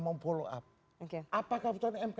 memfollow up apakah putusan mk